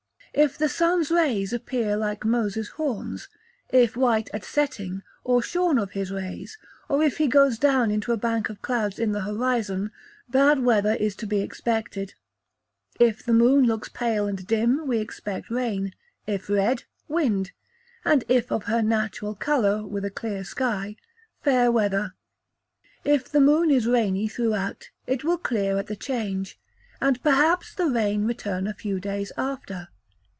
If the sun's rays appear like Moses' horns if white at setting, or shorn of his rays, or if he goes down into a bank of clouds in the horizon, bad weather is to be expected. If the moon looks pale and dim, we expect rain; if red, wind; and if of her natural colour, with a clear sky, fair weather. If the moon is rainy throughout, it will clear at the change, and, perhaps, the rain return a few days after.